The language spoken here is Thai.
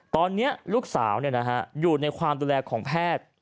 ตอนนี้ลูกสาวเนี่ยนะฮะอยู่ในความโตแลของแพทย์